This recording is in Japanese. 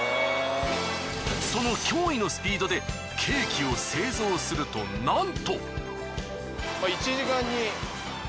その驚異のスピードでケーキを製造するとなんと。